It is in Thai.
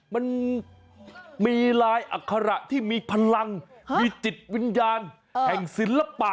มันมีลายอัคระที่มีพลังมีจิตวิญญาณแห่งศิลปะ